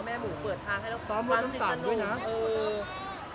แม่หมูเปิดทางให้เราความสิทธิ์สนุก